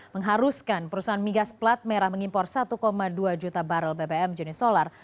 mengharuskan perusahaan migas plat merah mengimpor satu dua juta barrel bbm jenis solar